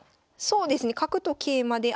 そうですね角と桂馬で。